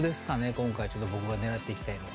今回僕が狙って行きたいのは。